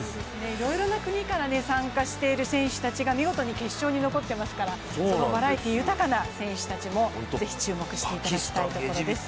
いろいろな国から参加している選手たちが見事に決勝に残っていますからそのバラエティー豊かな選手たちも、ぜひ注目していただきたいところです。